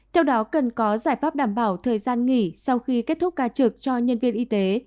theo đó cần có giải pháp đảm bảo thời gian nghỉ sau khi kết thúc ca trực cho nhân viên y tế